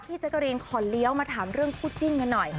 แจ๊กกะรีนขอเลี้ยวมาถามเรื่องคู่จิ้นกันหน่อย